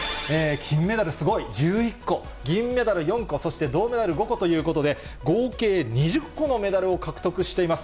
金メダルすごい、１１個、銀メダル４個、そして銅メダル５個ということで、合計２０個のメダルを獲得しています。